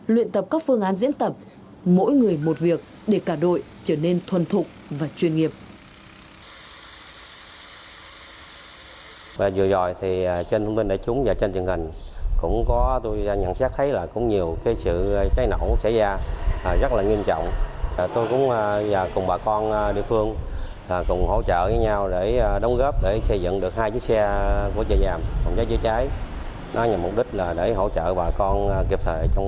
luyện tập các phương án diễn tập mỗi người một việc để cả đội trở nên thuần thục và chuyên nghiệp